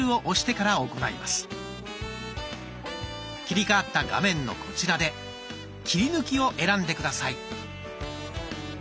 切り替わった画面のこちらで「切り抜き」を選んで下さい。